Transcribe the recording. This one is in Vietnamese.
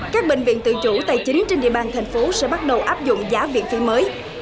các bệnh viện tự chủ tài chính trên địa bàn thành phố sẽ bắt đầu áp dụng giá viện phí mới